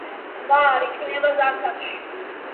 ტბა არ იყინება ზამთარში.